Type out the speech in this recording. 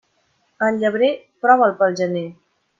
El llebrer, prova'l pel gener.